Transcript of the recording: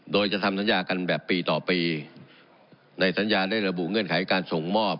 โดยจะทำสัญญากันแบบปีต่อปีในสัญญาได้ระบุเงื่อนไขการส่งมอบ